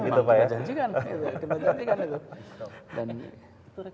kalau itu memang kita janjikan